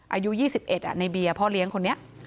อายุ๒๑ในเบียร์พ่อเลี้ยงคนนี้